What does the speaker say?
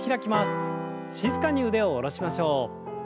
静かに腕を下ろしましょう。